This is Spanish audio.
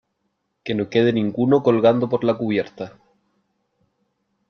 que no quede ninguno colgando por la cubierta .